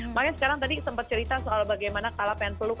makanya sekarang tadi sempat cerita soal bagaimana kalapen peluk